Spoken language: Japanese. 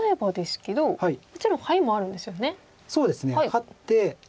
ハッて。